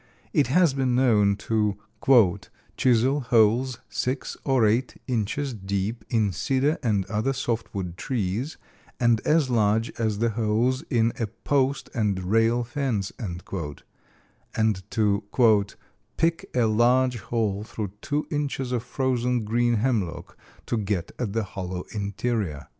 It has been known to "chisel holes six or eight inches deep in cedar and other soft wood trees, and as large as the holes in a post and rail fence," and to "pick a large hole through two inches of frozen green hemlock to get at the hollow interior."